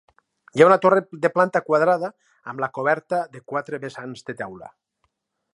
Hi ha una torre de planta quadrada, amb la coberta de quatre vessants de teula.